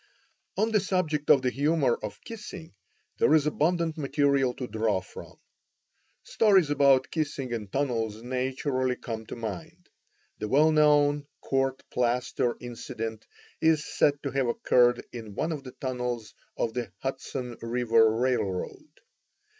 On the subject of the humors of kissing there is abundant material to draw from. Stories about kissing in tunnels naturally come to mind. The well known court plaster incident is said to have occurred in one of the tunnels of the Hudson River Railroad.